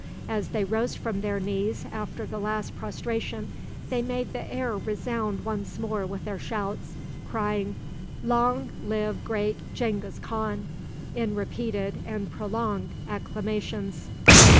As they rose from their knees after the last prostration, they made the air resound once more with their shouts, crying "Long live great Genghis Khan!" in repeated and prolonged acclamations.